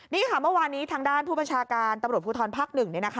นี่ค่ะเมื่อวานนี้ทางด้านผู้บัญชาการตำรวจภูทรภักดิ์๑